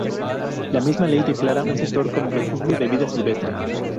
La misma ley declara un sector como Refugio de Vida Silvestre.